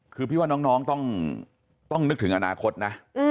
คือพี่ว่าน้องต้องนึกถึงอนาคตนะ